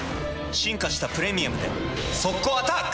進化した「プレミアム」で速攻アタック！